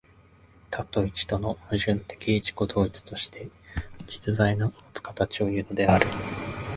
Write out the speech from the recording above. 多と一との矛盾的自己同一として、実在のもつ形をいうのである。